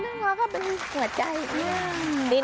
นี่น่ารักอะเป็นหัวใจอีกหนึ่ง